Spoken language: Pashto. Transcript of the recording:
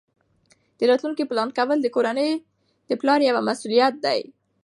د راتلونکي پلان کول د کورنۍ د پلار یوه مسؤلیت ده.